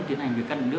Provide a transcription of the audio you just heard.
luật sư nêu rõ